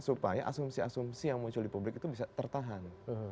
supaya asumsi asumsi yang muncul di publik itu bisa tertahan